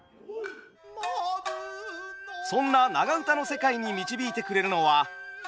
そんな長唄の世界に導いてくれるのは東音味見純さん。